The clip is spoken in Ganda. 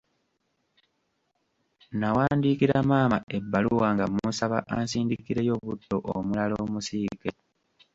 Nawandiikira maama ebbaluwa nga musaba ansindikireyo butto omulala omusiike.